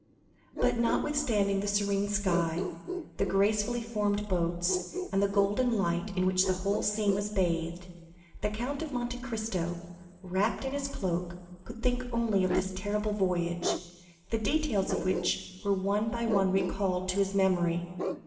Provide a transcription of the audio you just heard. But notwithstanding the serene sky, the gracefully formed boats, and the golden light in which the whole scene was bathed, the Count of Monte Cristo, wrapped in his cloak, could think only of this terrible voyage, the details of which were one by one recalled to his memory.